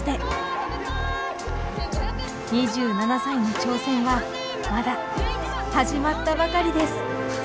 ２７歳の挑戦はまだ始まったばかりです。